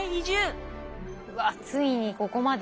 うわついにここまで。